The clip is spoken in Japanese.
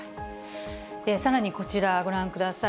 さらにこちら、ご覧ください。